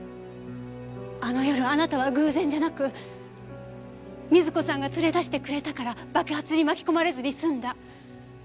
あの夜あなたは偶然じゃなく瑞子さんが連れ出してくれたから爆発に巻き込まれずに済んだ。